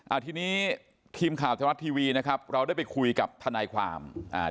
อ่าทีนี้ทีมข่าวธรรมรัฐทีวีนะครับเราได้ไปคุยกับทนายความอ่า